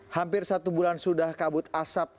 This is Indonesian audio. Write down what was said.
hampir satu bulan sudah kabut asap